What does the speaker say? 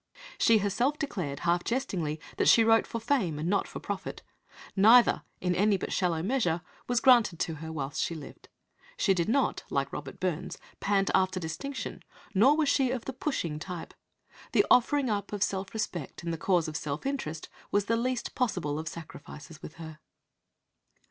She herself declared, half jestingly, that she wrote for fame and not for profit. Neither, in any but shallow measure, was granted to her whilst she lived. She did not, like Robert Burns, "pant after distinction," nor was she of the "pushing" type. The offering up of self respect in the cause of self interest was the least possible of sacrifices with her.